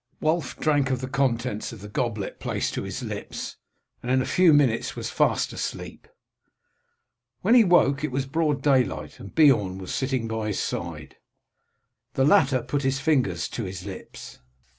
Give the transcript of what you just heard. Wulf drank off the contents of the goblet placed to his lips, and in a few minutes was fast asleep. When he woke it was broad daylight, and Beorn was sitting by his side. The latter put his finger to his lips.